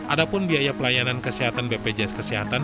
adapun biaya pelayanan kesehatan bpjs kesehatan